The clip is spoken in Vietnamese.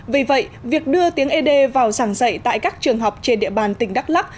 vì vậy việc đưa tiếng ế đê vào giảng dạy tại các trường học trên địa bàn tỉnh đắk lắc